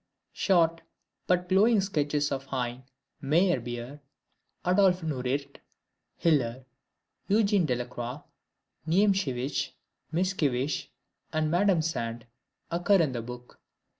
Short but glowing sketches of Heine, Meyerbeer, Adolphe Nourrit, Hiller, Eugene Delacroix, Niemcevicz, Mickiewicz, and Madame Sand, occur in the book.